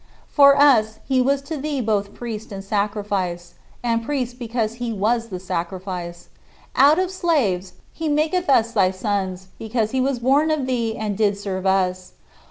For us, he was to thee both Priest and Sacrifice, and Priest because he was the Sacrifice. Out of slaves, he maketh us thy sons, because he was born of thee and did serve us.